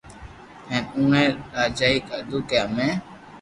ھين اوڻي راجائي ڪآدو ڪي ھمي